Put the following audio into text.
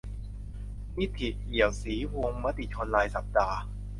นิธิ เอียวศรีวงศ์ มติชนรายสัปดาห์